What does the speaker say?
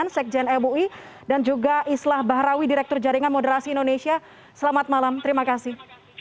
selamat malam terima kasih